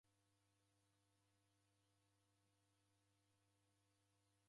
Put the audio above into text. W'andu w'ilemwa ni kudamba.